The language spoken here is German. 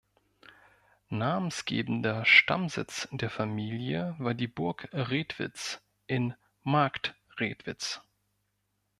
Namensgebender Stammsitz der Familie war die Burg Redwitz in Marktredwitz.